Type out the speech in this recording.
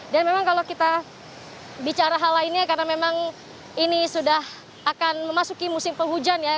dan memang kalau kita bicara hal lainnya karena memang ini sudah akan memasuki musim penghujan ya